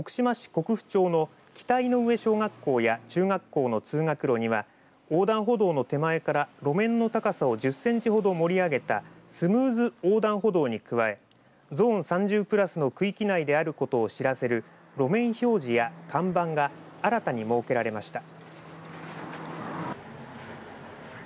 国府町の北井上中学、小学校や中学校の通学路には横断歩道の手前から路面の高さを１０センチほど盛り上げたスムーズ横断歩道に加えゾーン３０プラスの区域内であることを知らせる路面表示や看板が新たに設けられました。